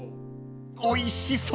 ［おいしそう！］